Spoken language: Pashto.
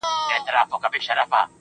و مې پوښتل، جواد جانه